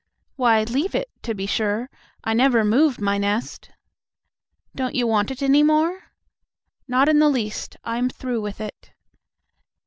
"Why leave it, to be sure. I never move my nest." "Don't you want it any more?" "Not in the least. I am through with it."